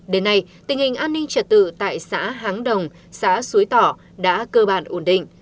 đến nay tình hình an ninh trật tự tại xã háng đồng xã suối tỏ đã cơ bản ổn định